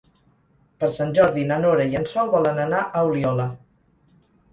Per Sant Jordi na Nora i en Sol volen anar a Oliola.